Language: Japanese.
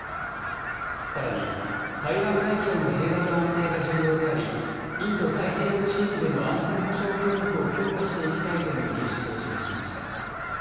さらに台湾海峡の平和と安定が重要でありインド太平洋地域での安全保障協力を強化していきたいという認識を示しました。